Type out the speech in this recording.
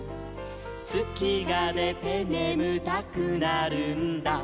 「つきがでてねむたくなるんだ」